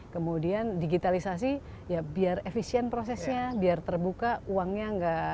kemudian digitalisasi ya biar efisien prosesnya biar terbuka uangnya nggak